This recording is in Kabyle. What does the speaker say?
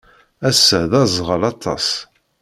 Ass-a, d aẓɣal aṭas.